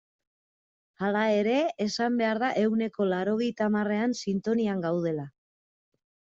Hala ere, esan behar da ehuneko laurogeita hamarrean sintonian gaudela.